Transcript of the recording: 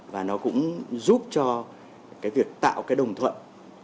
và nó cũng giúp cho cái việc tạo cái đồng thuận